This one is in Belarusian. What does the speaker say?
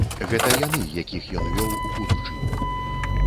Гэта яны, якіх ён вёў у будучыню.